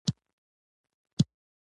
کلي او ښارونه وران ویجاړ او خاورې شوي دي.